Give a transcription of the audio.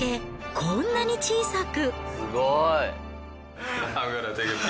こんなに小さく。